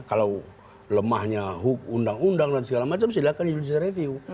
kalau lemahnya undang undang dan segala macam silahkan judicial review